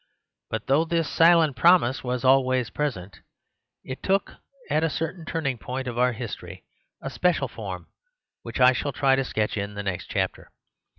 But though this silent promise was always present, it took at a certain turning point of our history a special form which I shall try to sketch in the next chapter.